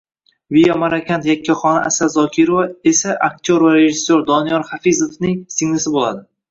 Via Marokandning yakkaxoni Asal Zokirova esa aktyor va rejissor Doniyor Hafizovning singlisi bo‘ladi